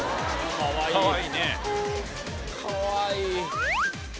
かわいい。